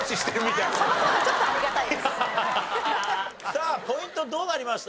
さあポイントどうなりました？